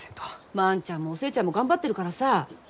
万ちゃんもお寿恵ちゃんも頑張ってるからさ。